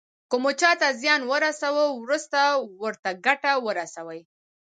که مو چاته زیان ورساوه وروسته ورته ګټه ورسوئ.